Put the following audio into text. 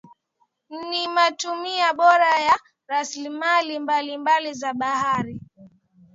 Ni matumizi bora ya rasilimali mbalimbali za bahari